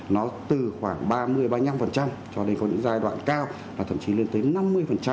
nó từ khoảng ba mươi ba mươi năm cho đến có những giai đoạn cao và thậm chí lên tới năm mươi